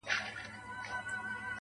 چي كورنۍ يې.